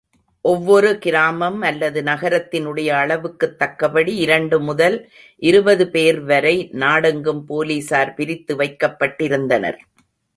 ஒவ்வொரு கிராமம் அல்லது நகரத்தினுடைய அளவுக்குத்தக்கபடி இரண்டு முதல் இருபது பேர்வரை நாடெங்கும் போலிஸார் பிரித்து வைக்கப்பட்டிருந்தனர்.